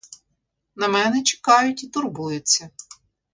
На мене чекають і турбуються.